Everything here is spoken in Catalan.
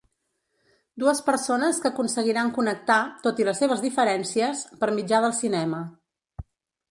Dues persones que aconseguiran connectar, tot i les seves diferències, per mitjà del cinema.